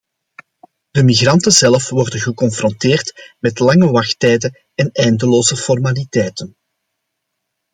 De migranten zelf worden geconfronteerd met lange wachttijden en eindeloze formaliteiten.